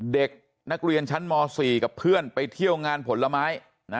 เด็กนักเรียนชั้นม๔กับเพื่อนไปเที่ยวงานผลไม้